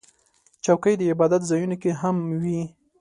چوکۍ د عبادت ځایونو کې هم وي.